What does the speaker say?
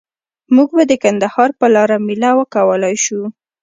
موږ به د کندهار په لاره میله وکولای شو؟